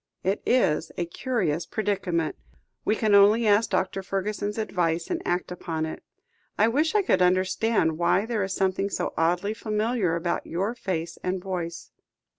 "It is a curious predicament. We can only ask Dr. Fergusson's advice, and act upon it. I wish I could understand why there is something so oddly familiar about your face and voice."